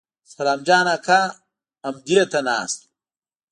سلام جان اکا امدې ته ناست و.